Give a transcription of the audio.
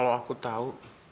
kalau aku tahu